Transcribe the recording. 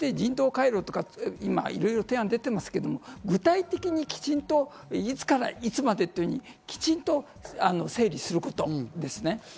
人道回廊という提案は出てますけど、具体的にきちんといつからいつまでというふうにきちんと整理することですね。